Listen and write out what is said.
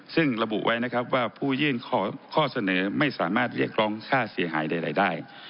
ซึ่งระบุไว้นะครับว่าผู้ยื่นข้อเสนอไม่สามารถเรียกร้องค่าเสียหายใดได้